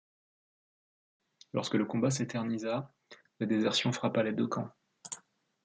Lorsque le combat s'éternisa, la désertion frappa les deux camps.